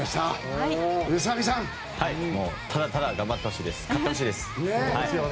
ただただ頑張ってほしい。